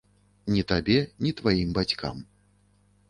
Ні табе, ні тваім бацькам.